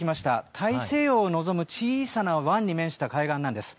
大西洋を望む小さな湾に面した海岸なんです。